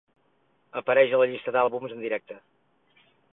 Apareix a la llista d'àlbums en directe.